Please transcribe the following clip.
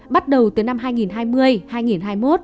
bắt đầu từ năm hai nghìn hai mươi hai nghìn hai mươi một